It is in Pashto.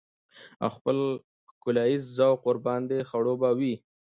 او خپل ښکلاييز ذوق ورباندې خړوبه وي.